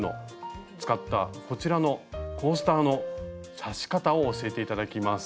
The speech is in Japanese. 使ったこちらのコースターの刺し方を教えて頂きます。